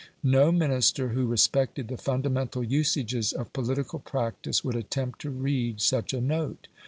No Minister who respected the fundamental usages of political practice would attempt to read such a note.